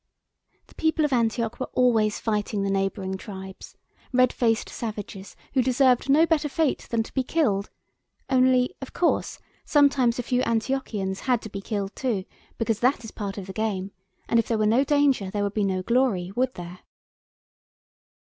The people of Antioch were always fighting the neighbouring tribes, red faced savages who deserved no better fate than to be killed, only, of course, sometimes a few Antiochians had to be killed too, because that is part of the game, and if there were no danger there would be no glory, would there?